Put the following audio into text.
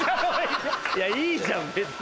いやいいじゃん別に。